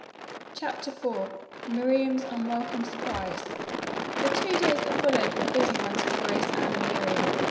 CHAPTER IV MIRIAM'S UNWELCOME SURPRISE The two days that followed were busy ones for Grace, Anne and Miriam.